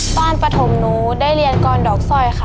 ตอนปฐมนูได้เรียนกรรณดอกสร้อยค่ะก็เลย